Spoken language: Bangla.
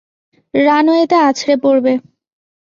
রানওয়েতে আছড়ে পড়বে।